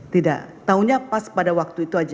tidak tahunya pas pada waktu itu aja